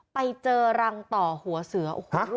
ไปเจอรังต่อหัวเสือ